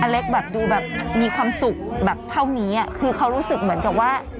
เล็กแบบดูแบบมีความสุขแบบเท่านี้อ่ะคือเขารู้สึกเหมือนกับว่า